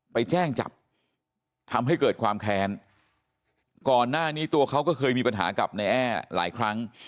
ไปแจ้งจับทำให้เกิดความแค้นก่อนหน้านี้ตัวเขาก็เคยมีปัญหากับนายแอ้หลายครั้ง